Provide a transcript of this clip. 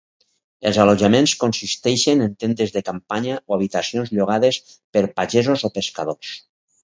Els allotjaments consisteixen en tendes de campanya o habitacions llogades per pagesos o pescadors.